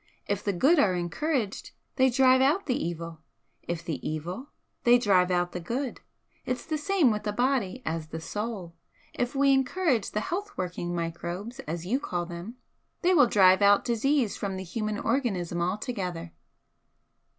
If the good are encouraged, they drive out the evil, if the evil, they drive out the good. It's the same with the body as the soul, if we encourage the health working 'microbes' as you call them, they will drive out disease from the human organism altogether."